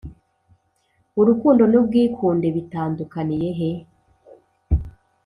urukundo n’ubwikunde bitandukaniye he?.